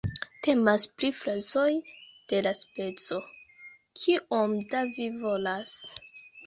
Temas pri frazoj de la speco "Kiom da vi volas?